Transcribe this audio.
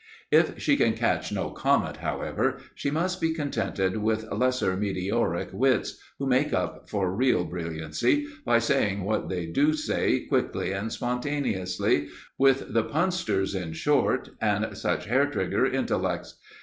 If she can catch no comet, however, she must be contented with lesser meteoric wits who make up for real brilliancy by saying what they do say quickly and spontaneously; with the punsters, in short, and such hair trigger intellects.